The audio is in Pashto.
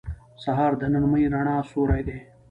سهار د نرمې رڼا سیوری دی.